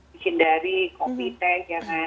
dihindari kopi teh jangan